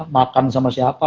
makan sama siapa